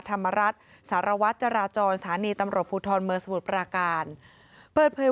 ธรรมรัฐสารวัตรจราจรสถานีตำรวจภูทรเมืองสมุทรปราการเปิดเผย